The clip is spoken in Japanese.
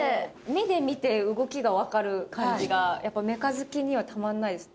目で見て動きがわかる感じがやっぱメカ好きにはたまらないですね。